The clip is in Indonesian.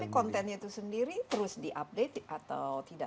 tapi kontennya itu sendiri terus di update atau tidak